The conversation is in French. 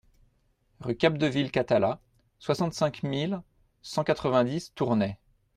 Rue Capdeville Cathala, soixante-cinq mille cent quatre-vingt-dix Tournay